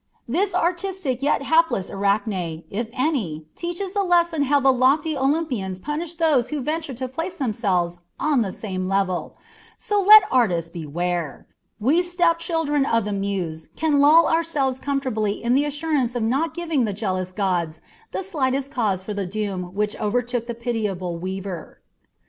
"This artistic yet hapless Arachne, if any one, teaches the lesson how the lofty Olympians punish those who venture to place themselves on the same level; so let artists beware. We stepchildren of the Muse can lull ourselves comfortably in the assurance of not giving the jealous gods the slightest cause for the doom which overtook the pitiable weaver."